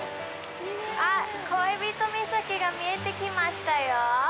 あっ、恋人岬が見えてきましたよ。